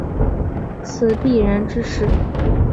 此必然之势。